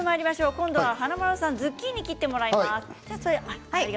今度は、華丸さんにズッキーニを切ってもらいます。